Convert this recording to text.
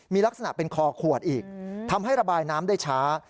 มีลักษณะเป็นคอขวดอีกทำให้ระบายน้ำได้ช้า